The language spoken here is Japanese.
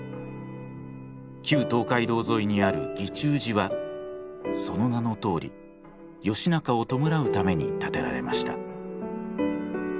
旧東海道沿いにある義仲寺はその名のとおり義仲を弔うために建てられました。